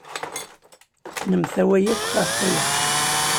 Nemtawa akk ɣef waya.